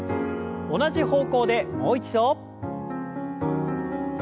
同じ方向でもう一度。